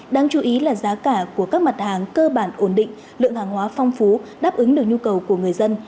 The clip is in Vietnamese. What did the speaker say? đáng chú ý là giá cả của các mặt hàng cơ bản ổn định lượng hàng hóa phong phú đáp ứng được nhu cầu của người dân